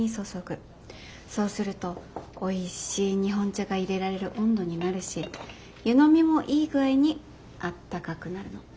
そうするとおいしい日本茶がいれられる温度になるし湯飲みもいい具合にあったかくなるの。